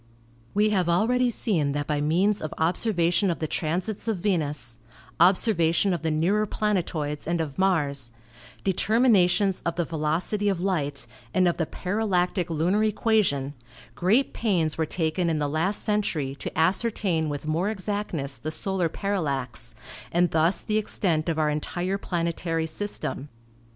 We have already seen that by means of observation of the transits of Venus, observation of the nearer planetoids and of Mars, determinations of the ve locity of light and of the parallactic lunar equation, great pains were taken in the last century to ascertain with more exactness the solar parallax, and thus the extent of our entire planetary system.